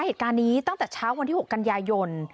เหตุการณ์นี้ตั้งแต่เช้าวันที่๖กันยายน